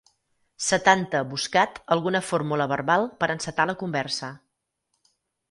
Setanta buscat alguna fórmula verbal per encetar la conversa.